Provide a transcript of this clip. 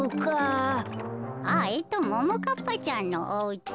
あももかっぱちゃんのおうち。